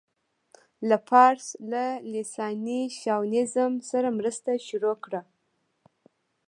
له فارس له لېساني شاونيزم سره مرسته شروع کړه.